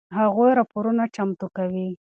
هغوی راپورونه چمتو کوي.